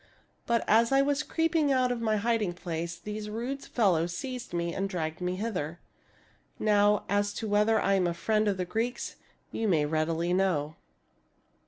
But, as I was creeping out of my hiding place these rude fellows seized me and dragged me hither. Now, as to whether I am a friend of the Greeks you may readily know."